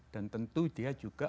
dan tentu dia juga